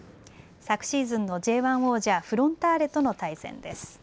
昨シーズンのＪ１王者、フロンターレとの対戦です。